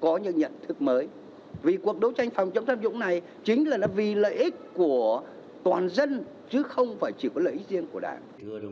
có những nhận thức mới vì cuộc đấu tranh phòng chống tham nhũng này chính là nó vì lợi ích của toàn dân chứ không phải chỉ có lợi ích riêng của đảng